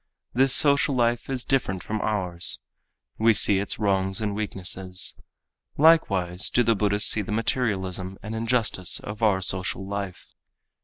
This social life is different from ours. We see its wrongs and weaknesses. Likewise do the Buddhists see the materialism and injustice of our social life.